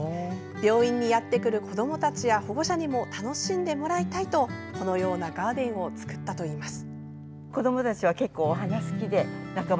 病院にやってくる子どもたちや保護者にも楽しんでもらいたいとこのようなガーデンを造ったといいます。